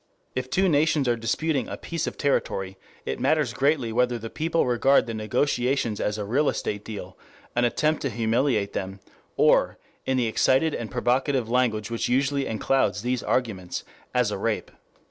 If two nations are disputing a piece of territory, it matters greatly whether the people regard the negotiations as a real estate deal, an attempt to humiliate them, or, in the excited and provocative language which usually enclouds these arguments, as a rape.